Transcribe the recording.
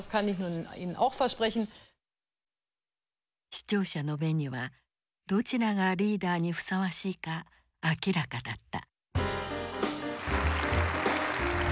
視聴者の目にはどちらがリーダーにふさわしいか明らかだった。